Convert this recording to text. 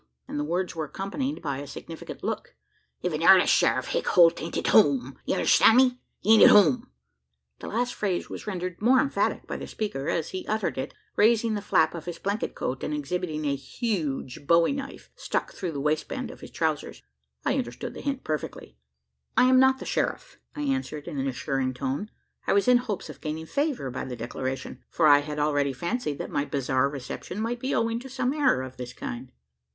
and the words were accompanied by a significant look; "ef yur the shariff, Hick Holt ain't at home ye understand me? he ain't at home." The last phrase was rendered more emphatic, by the speaker, as he uttered it, raising the flap of his blanket coat, and exhibiting a huge bowie knife stuck through the waistband of his trousers. I understood the hint perfectly. "I am not the sheriff," I answered in an assuring tone. I was in hopes of gaining favour by the declaration: for I had already fancied that my bizarre reception might be owing to some error of this kind.